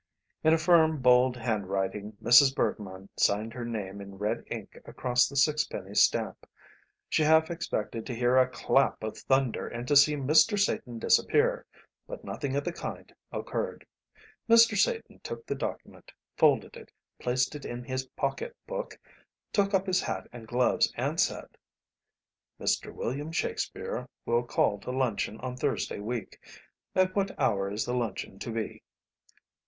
In a firm, bold handwriting Mrs. Bergmann signed her name in red ink across the sixpenny stamp. She half expected to hear a clap of thunder and to see Mr. Satan disappear, but nothing of the kind occurred. Mr. Satan took the document, folded it, placed it in his pocket book, took up his hat and gloves, and said: "Mr. William Shakespeare will call to luncheon on Thursday week. At what hour is the luncheon to be?"